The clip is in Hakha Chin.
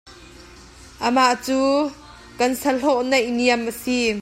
Amah cu kan sahlawh neihniam a si.